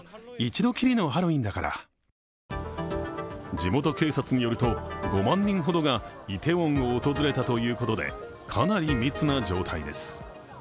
地元警察によると５万人ほどがイテウォンを訪れたということで、かなり密な状態です。